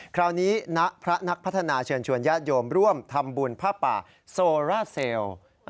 คณะพระนักพัฒนาเชิญชวนญาติโยมร่วมทำบุญผ้าป่าโซร่าเซลล์